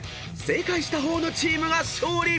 正解した方のチームが勝利］